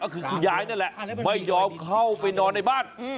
ก็คือคุณยายนั่นแหละไม่ยอมเข้าไปนอนในบ้าน